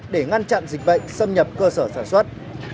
để ngăn chặn dịch bệnh xâm nhập cơ sở sản xuất